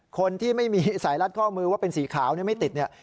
คนที่ไม่มีสายรัดข้อมือว่าเป็นสีขาวไม่ติดเนี่ย